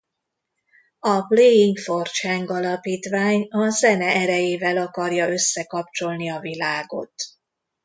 A Playing For Change alapítvány a zene erejével akarja összekapcsolni a világot.